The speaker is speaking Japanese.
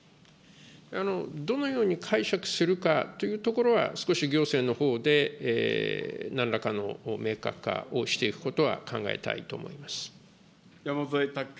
どのように解釈するかというところは、少し行政のほうでなんらかの明確化をしていくことは考えたいと思山添拓君。